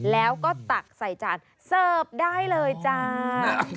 แล้วก็ตักใส่จานเสิร์ฟได้เลยจ้า